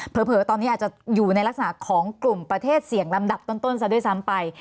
เผลอตอนนี้อาจจะอยู่ในลักษณะของกลุ่มประเทศเสี่ยงลำดับต้นซะด้วยซ้ำไป